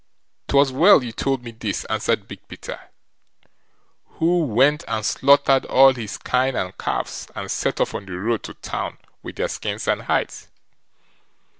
"'Twas well you told me this", answered Big Peter, who went and slaughtered all his kine and calves, and set off on the road to town with their skins and hides.